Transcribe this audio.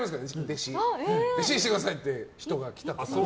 弟子にしてくださいって人が来て。